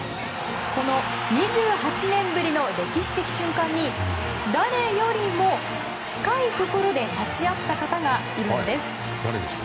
この２８年ぶりの歴史的瞬間に誰よりも近いところで立ち会った方がいるんです。